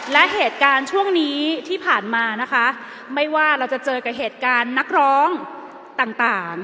และเหตุการณ์ช่วงนี้ที่ผ่านมานะคะไม่ว่าเราจะเจอกับเหตุการณ์นักร้องต่าง